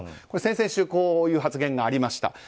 これは先々週こういう発言がありました。